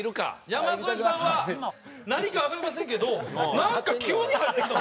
山添さんは何かわかりませんけどなんか急に入ってきたんですよ。